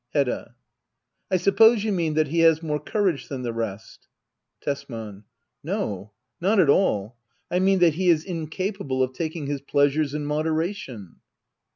Heoda. I suppose you mean that he has more courage than the rest ? Tesman. No, not at all — I mean that he is incapable of taking his pleasures in moderation.